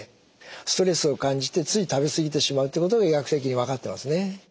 ストレスを感じてつい食べ過ぎてしまうということが医学的に分かってますね。